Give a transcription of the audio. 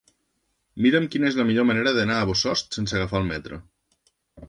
Mira'm quina és la millor manera d'anar a Bossòst sense agafar el metro.